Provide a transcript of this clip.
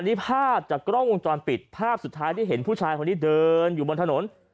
นี่ภาพจากกล้องวงจรปิดภาพสุดท้ายที่เห็นผู้ชายคนนี้เดินอยู่บนถนน